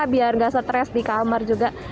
biar nggak stres di kamar juga